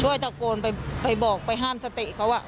ตะโกนไปบอกไปห้ามสติเขา